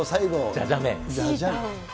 じゃじゃ麺。